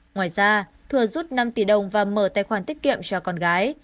ngoài ra thừa rút năm tỷ đồng và mở tài khoản tiết kiệm cho con gái